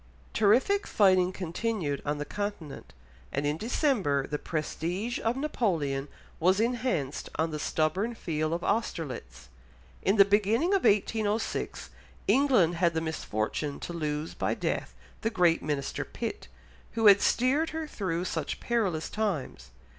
Terrific fighting continued on the Continent, and in December the prestige of Napoleon was enhanced on the stubborn field of Austerlitz. In the beginning of 1806, England had the misfortune to lose by death the great minister Pitt, who had steered her through such perilous times.